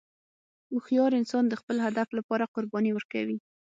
هوښیار انسان د خپل هدف لپاره قرباني ورکوي.